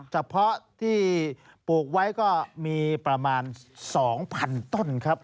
เฉพาะที่ปลูกไว้ก็มีประมาณ๒๐๐๐ต้นครับ